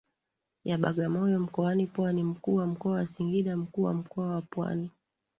ya Bagamoyo mkoani Pwani mkuu wa mkoa wa Singida Mkuu wa mkoa wa Pwani